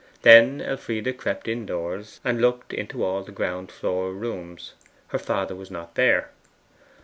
Then Elfride crept indoors, and looked into all the ground floor rooms. Her father was not there.